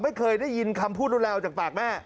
ไม่เคยได้ยินคำพูดรุนแรงออกจากปากแม่